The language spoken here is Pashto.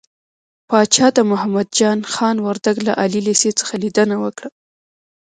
پاچا د محمد جان خان وردک له عالي لېسې څخه ليدنه وکړه .